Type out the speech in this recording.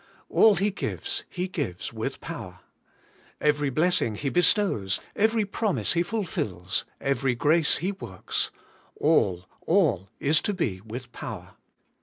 All He gives. He gives with power. Every blessing He bestows, every promise He fulfils, every grace He works, — all, all is to be with power.